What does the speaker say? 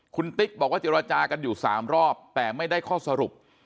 คุณติ๊กบอกว่าเจรจากันอยู่๓รอบแต่ไม่ได้ข้อสรุป